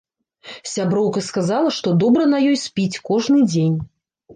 Сяброўка сказала, што добра на ёй спіць кожны дзень.